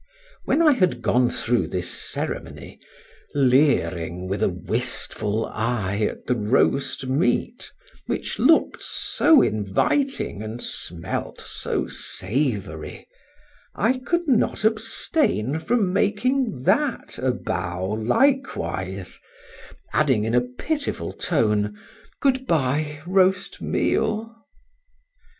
When I had gone through this ceremony, leering with a wistful eye at the roast meat, which looked so inviting, and smelt so savory, I could not abstain from making that a bow likewise, adding in a pitiful tone, good bye, roast meal!